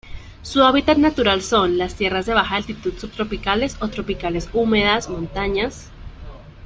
Su hábitat natural son: las tierras de baja altitud subtropicales o tropicales húmedas, montañas.